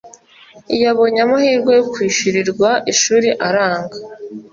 yabonye amahirwe yo kwishyurirwa ishuri aranga